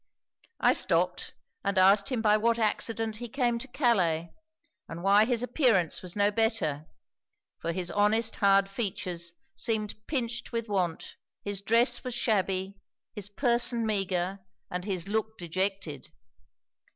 'I stopped, and asked him by what accident he came to Calais, and why his appearance was no better; for his honest hard features seemed pinched with want, his dress was shabby, his person meagre, and his look dejected.